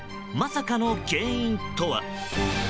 まさかの原因とは。